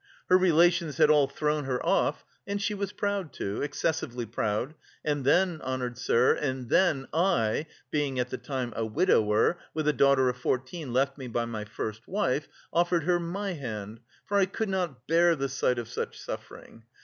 Her relations had all thrown her off. And she was proud, too, excessively proud.... And then, honoured sir, and then, I, being at the time a widower, with a daughter of fourteen left me by my first wife, offered her my hand, for I could not bear the sight of such suffering.